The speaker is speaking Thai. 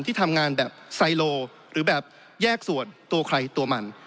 ที่ทำงานแบบไซโลหรือแบบแยกส่วนตัวใครตัวมัน